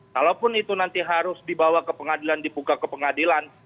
kalaupun itu nanti harus dibawa ke pengadilan dibuka ke pengadilan